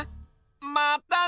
またね！